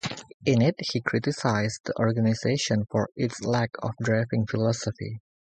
In it he criticised the organisation for its lack of driving philosophy.